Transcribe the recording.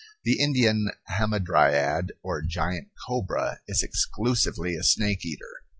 The Indian hamadryad, or giant cobra, is exclusively a snake eater.